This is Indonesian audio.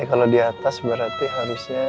kalau di atas berarti harusnya